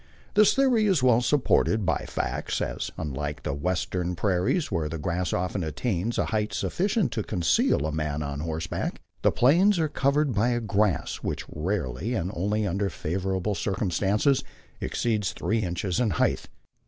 This theory is well supported by facts, as, unlike the Western prairies, where the grass often attains a height sufficient to conceal a man on horseback, the Plains are covered by a grass which rarely, and only under favorable circumstances, exceeds three inches in height.